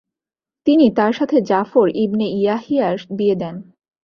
তিনি তার সাথে জাফর ইবনে ইয়াহিয়ার বিয়ে দেন।